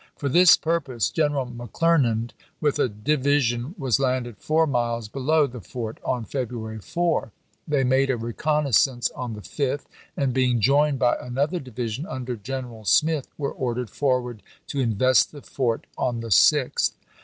For this purpose General McClernand, with a divi sion, was landed four miles below the fort on Feb ruary 4. They made a reconnaissance on the 5th, 1862. and, being joined by another division under General Smith, were ordered forward to invest the fort on the 6th.